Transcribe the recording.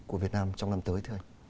của việt nam trong năm tới